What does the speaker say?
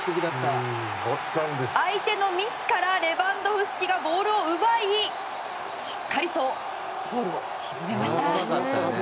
相手のミスからレバンドフスキがボールを奪いしっかりとゴールを沈めました。